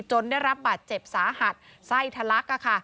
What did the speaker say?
จนได้รับบัตรเจ็บสาหัสไส้ทะลัก